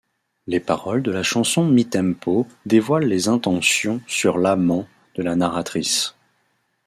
Les paroles de la chanson mid-tempo dévoile les intentions sur l'amant de la narratrice.